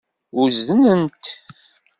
Uznen-t.